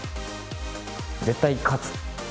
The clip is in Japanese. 絶対、勝つ！